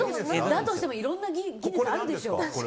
だとしてもいろんなギネスあるでしょ。